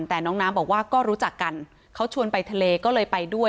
แต่น้องน้ำบอกว่าก็รู้จักกันเขาชวนไปทะเลก็เลยไปด้วย